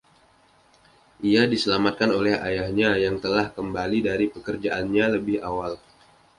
Ia diselamatkan oleh ayahnya, yang telah kembali dari pekerjaannya lebih awal.